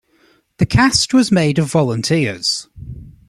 The cast was made of volunteers.